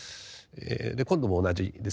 で今度も同じですね。